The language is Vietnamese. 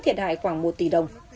thiệt hại khoảng một tỷ đồng